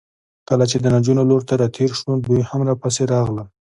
کله چې د نجونو لور ته راتېر شوو، دوی هم راپسې راغلل.